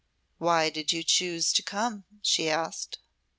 "Why did you choose to come?" she asked.